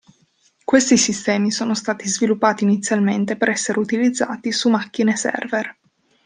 Questi sistemi sono stati sviluppati inizialmente per essere utilizzati su macchine server.